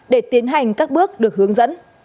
để tiến hành các bước được hướng dẫn